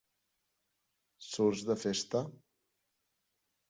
Surts de festa?